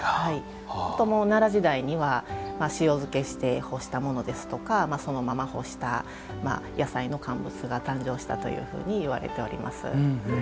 奈良時代には塩漬けして干したものですとかそのまま干した野菜の乾物が誕生したというふうに言われております。